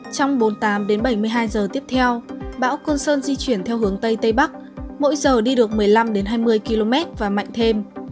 trong bốn mươi tám đến bảy mươi hai giờ tiếp theo bão côn sơn di chuyển theo hướng tây tây bắc mỗi giờ đi được một mươi năm hai mươi km và mạnh thêm